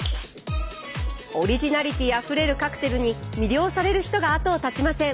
オリジナリティーあふれるカクテルに魅了される人が後を絶ちません。